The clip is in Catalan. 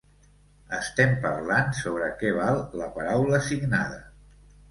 Estem parlant sobre què val la paraula signada.